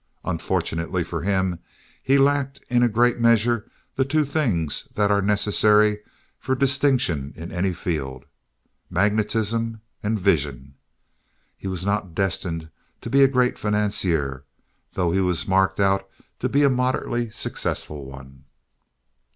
Unfortunately, for him, he lacked in a great measure the two things that are necessary for distinction in any field—magnetism and vision. He was not destined to be a great financier, though he was marked out to be a moderately successful one.